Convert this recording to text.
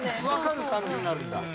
わかる感じになるんだ。